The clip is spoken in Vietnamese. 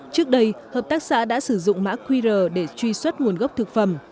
trước đây hợp tác xã đã sử dụng mã qr để truy xuất nguồn gốc thực phẩm